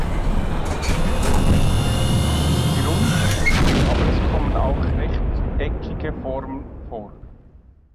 Typischerweise sind sie rund, aber es kommen auch rechteckige Formen vor.